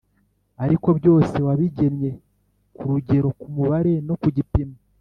Ariko byose wabigennye ku rugero, ku mubare, no ku gipimo.